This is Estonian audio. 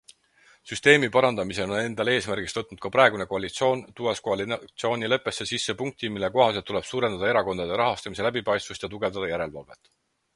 Süsteemi parandamise on endale eesmärgiks võtnud ka praegune koalitsioon, tuues koalitsioonileppesse sisse punkti, mille kohaselt tuleb suurendada erakondade rahastamise läbipaistvust ja tugevdada järelevalvet.